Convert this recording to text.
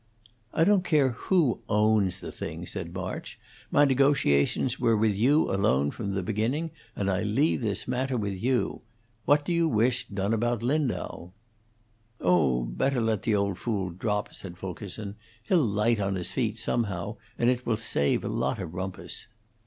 "I don't care who owns the thing," said March. "My negotiations were with you alone from the beginning, and I leave this matter with you. What do you wish done about Lindau?" "Oh, better let the old fool drop," said Fulkerson. "He'll light on his feet somehow, and it will save a lot of rumpus."